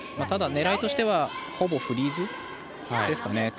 ただ、狙いとしてはほぼフリーズですかね。